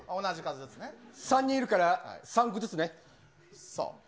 ３人いるから、３個ずつね。